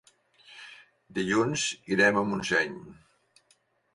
Dilluns irem a Montseny.